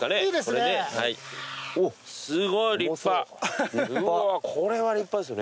これは立派ですよね？